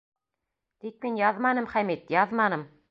Тик мин яҙманым, Хәмит, яҙманым!